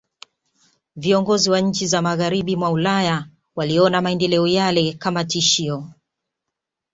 Viongozi wa nchi za Magharibi mwa Ulaya waliona maendeleo yale kama tishio